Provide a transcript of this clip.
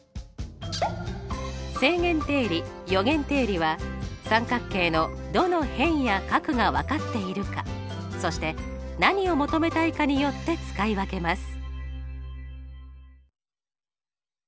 正弦定理余弦定理は三角形のどの辺や角が分かっているかそして何を求めたいかによって使い分けます。